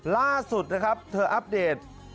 ล่าสุดนะครับเธออัปเดต